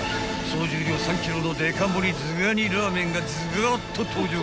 ［総重量３ｋｇのデカ盛りズガニラーメンがズガッと登場］